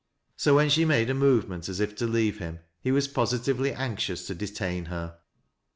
So, when she made a movement as if tri leave him, he was positively anxious to detain her.